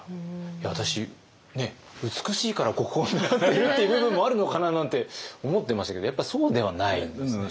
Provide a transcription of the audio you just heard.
いや私美しいから国宝になっているっていう部分もあるのかななんて思ってましたけどやっぱそうではないんですね。